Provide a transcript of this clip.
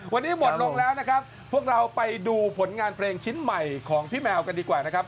วันนี้หมดลงแล้วนะครับพวกเราไปดูผลงานเพลงชิ้นใหม่ของพี่แมวกันดีกว่านะครับ